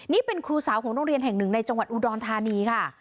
นี่เป็นครูสาวของโรงเรียนแห่งหนึ่งในจังหวัดอุดรธานีค่ะ